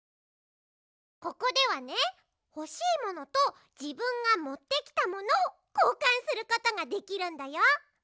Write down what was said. ここではねほしいものとじぶんがもってきたものをこうかんすることができるんだよ。